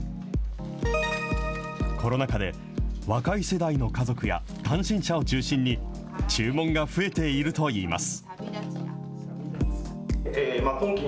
コロナ禍で、若い世代の家族や単身者を中心に、注文が増えているといいます。